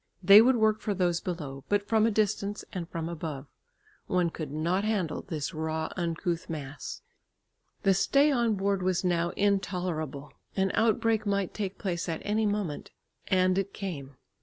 They would work for those below, but from a distance, and from above. One could not handle this raw uncouth mass. The stay on board was now intolerable. An outbreak might take place at any moment. And it came.